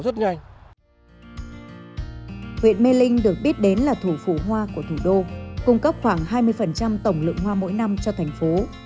huyện mê linh được biết đến là thủ phủ hoa của thủ đô cung cấp khoảng hai mươi tổng lượng hoa mỗi năm cho thành phố